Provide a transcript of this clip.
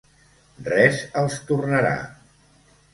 Res els tornarà.